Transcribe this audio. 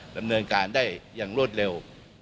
ดำเนินการได้อย่างรวดเร็ว